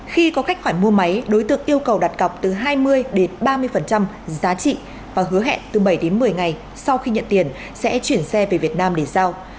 khi có các khoản mua máy đối tượng yêu cầu đặt cọc từ hai mươi đến ba mươi giá trị và hứa hẹn từ bảy đến một mươi ngày sau khi nhận tiền sẽ chuyển xe về việt nam để giao